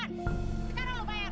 lalu badan lu bayar